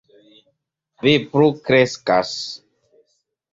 Vi plu kreskas.